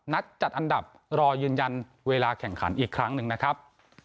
จัดอันดับรอยืนยันเวลาแข่งขันอีกครั้งหนึ่งนะครับ